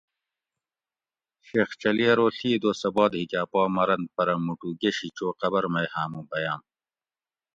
شیخ چلی ارو ڷھی دوسہ باد ھیکاۤ پا مرنت پرہ موٹو گشی چو قبر مئ ھامو بیٔم